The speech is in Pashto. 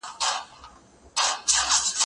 کېدای سي زدکړه سخته وي،